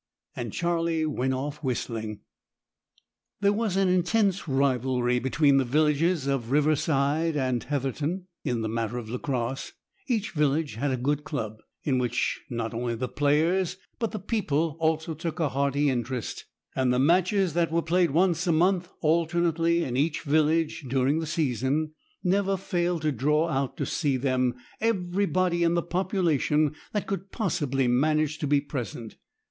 And Charlie went off whistling. There was an intense rivalry between the villages of Riverside and Heatherton in the matter of lacrosse. Each village had a good club, in which not only the players but the people also took a hearty interest, and the matches that were played once a month alternately in each village during the season never failed to draw out to see them everybody in the population that could possibly manage to be present.